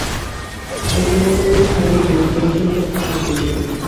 উপমা কেবল খানিক দূর পর্যন্ত খাটে– বিপিন।